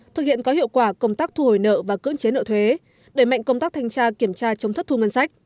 thực hiện có hiệu quả công tác thu hồi nợ và cưỡng chế nợ thuế đẩy mạnh công tác thanh tra kiểm tra chống thất thu ngân sách